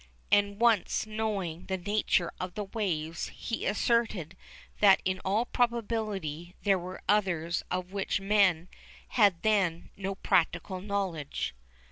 And once knowing the nature of the waves, he asserted that in all probability there were others of which men had then no practical knowledge.